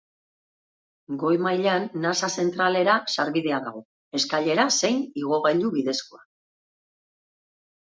Goi-mailan nasa zentralera sarbidea dago, eskailera zein igogailu bidezkoa.